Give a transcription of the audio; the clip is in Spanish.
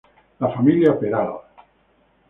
La Familia Peral".